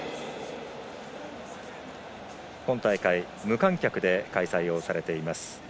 今大会無観客で開催されています。